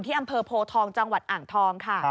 อำเภอโพทองจังหวัดอ่างทองค่ะ